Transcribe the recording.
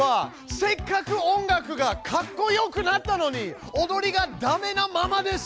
せっかく音楽がかっこよくなったのに踊りがダメなままです。